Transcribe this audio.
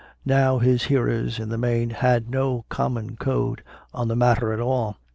Now his hearers, in the main, had no common code on the matter at all.